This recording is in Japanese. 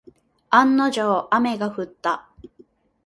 案の定、雨が降った。